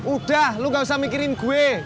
udah lu gak usah mikirin gue